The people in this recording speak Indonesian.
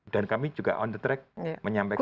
kami juga on the track menyampaikan